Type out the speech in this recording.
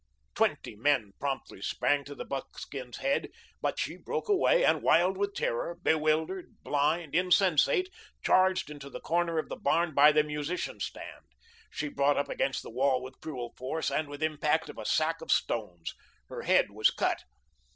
Twenty men promptly sprang to the buckskin's head, but she broke away, and wild with terror, bewildered, blind, insensate, charged into the corner of the barn by the musicians' stand. She brought up against the wall with cruel force and with impact of a sack of stones; her head was cut.